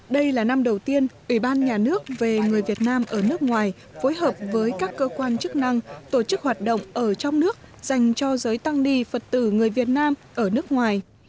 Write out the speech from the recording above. đây là năm đầu tiên ủy ban nhà nước về người việt nam ở nước ngoài phối hợp với các cơ quan chức năng tổ chức hoạt động ở trong nước dành cho giới tăng ni phật tử người việt nam ở nước ngoài